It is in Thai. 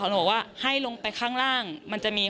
มันไม่มีคีย์การ์ดอะไร๑